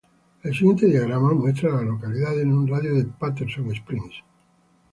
El siguiente diagrama muestra a las localidades en un radio de de Patterson Springs.